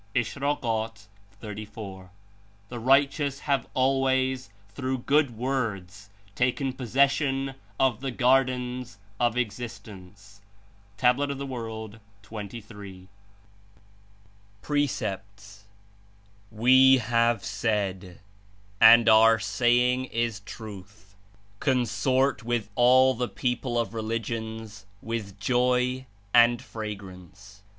(Ish. 34 ) "The righteous have always, through good words, taken possession of the gardens of existence." (Tab. of JVorld. 23.) PRECEPT.^ "We have said — and Our saying Is truth — 'Consort with all the (people of) religions with joy and fra grance.'